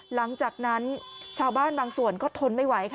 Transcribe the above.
หลังจากนั้นชาวบ้านบางส่วนก็ทนไม่ไหวค่ะ